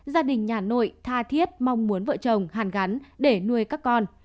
gia đình nhà nội tha thiết mong muốn vợ chồng hàn gắn để nuôi các con